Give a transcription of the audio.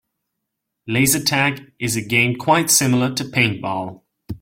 Laser tag is a game quite similar to paintball.